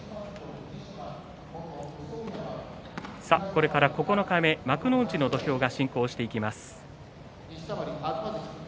これから九日目、幕内の土俵が進行していきます。